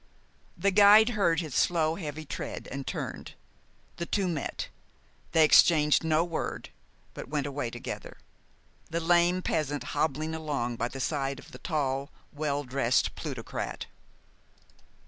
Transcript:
The guide heard his slow, heavy tread, and turned. The two met. They exchanged no word, but went away together, the lame peasant hobbling along by the side of the tall, well dressed plutocrat.